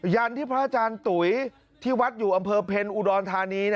ยันที่พระอาจารย์ตุ๋ยที่วัดอยู่อำเภอเพ็ญอุดรธานี